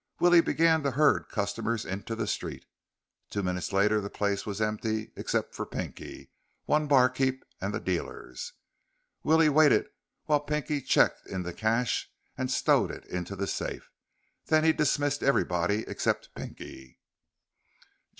Willie began to herd customers into the street. Two minutes later the place was empty except for Pinky, one barkeep, and the dealers. Willie waited while Pinky checked in the cash and stowed it into the safe. Then he dismissed everybody except Pinky.